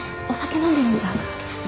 お酒飲んでるんじゃ。